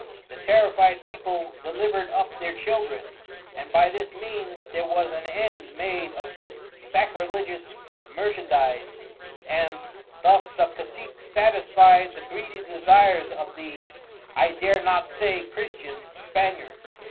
The terrified People delivered up their Children, and by this means there was an end made of this Sacrilegious Merchandize, and thus the Casic satisfied the greedy desires of the (I dare not say Christian) Spaniards.